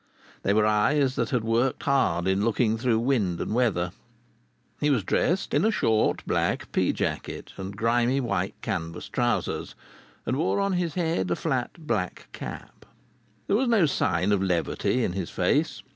They were eyes that had worked hard in looking through wind and weather. He was dressed in a short black pea jacket and grimy white canvas trousers, and wore on his head a flat black cap. There was no sign of levity in his face.